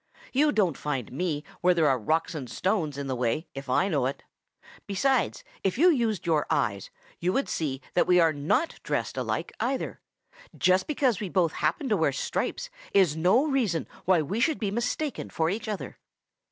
You don't find me where there are rocks and stones in the way if I know it. Besides, if you used your eyes, you would see that we are not dressed alike either. Just because we both happen to wear stripes is no reason why we should be mistaken for each other."